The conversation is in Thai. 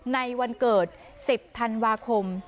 ในวันเกิด๑๐ธันวาคม